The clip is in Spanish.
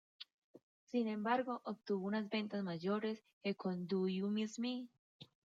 Sin embargo, obtuvo unas ventas mayores que con ""Do You Miss Me?